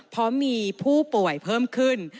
เพราะมีผู้ป่วยเพิ่มขึ้น